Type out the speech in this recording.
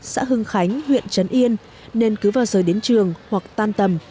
xã hưng khánh huyện trấn yên nên cứ vào giờ đến trường hoặc tan tầm